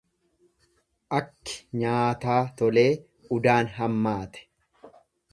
Akki nyaataa tolee udaan hammaate.